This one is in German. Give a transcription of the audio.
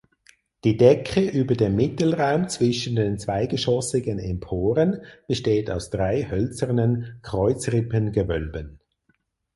Die Decke über dem Mittelraum zwischen den zweigeschossigen Emporen besteht aus drei hölzernen Kreuzrippengewölben.